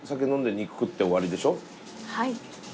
はい。